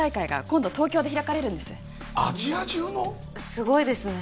すごいですね